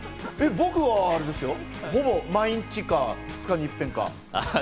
僕はあれですよ、ほぼ毎日か２日に一回か。